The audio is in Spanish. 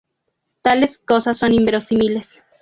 Tales cosas son inverosímiles.